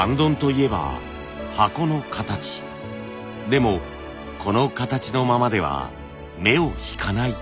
でもこの形のままでは目を引かない。